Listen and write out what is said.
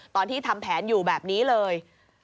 ตอนที่ทำแผนอยู่แบบนี้เลย